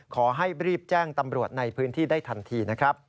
ขอให้รีบแจ้งตำรวจในพื้นที่ได้ทันทีนะครับ